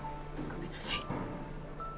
ごめんなさい。